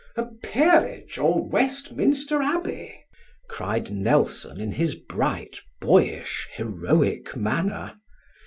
"A peerage or Westminster Abbey!" cried Nelson in his bright, boyish, heroic manner.